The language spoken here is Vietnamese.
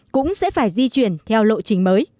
cũng sẽ phải di chuyển theo lộ trình mới